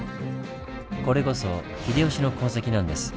これこそ秀吉の痕跡なんです。